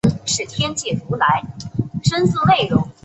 巴林是一个位于美国阿肯色州锡巴斯琴县的城市。